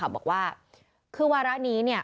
บอกว่าคือวาระนี้เนี่ย